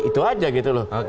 itu aja gitu loh